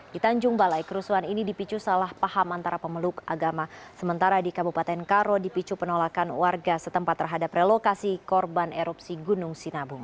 di tanjung balai kerusuhan ini dipicu salah paham antara pemeluk agama sementara di kabupaten karo dipicu penolakan warga setempat terhadap relokasi korban erupsi gunung sinabung